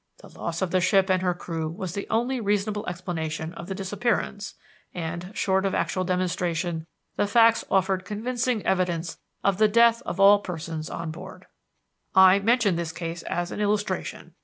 The loss of the ship and her crew was the only reasonable explanation of the disappearance, and, short of actual demonstration, the facts offered convincing evidence of the death of all persons on board. I mention this case as an illustration.